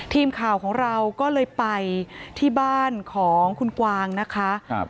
ทีมข่าวของเราก็เลยไปที่บ้านของคุณกวางนะคะ